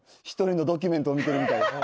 １人のドキュメントを見てるみたい。